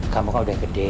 kamu kan udah gede